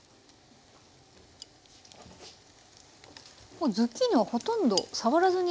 これズッキーニはほとんど触らずに。